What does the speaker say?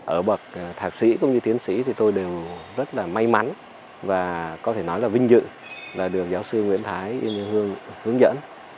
ở bậc thạc sĩ cũng như tiến sĩ thì tôi đều rất là may mắn và có thể nói là vinh dự là được giáo sư nguyễn thái yên hương hướng dẫn